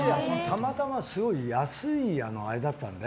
たまたますごい安いあれだったので。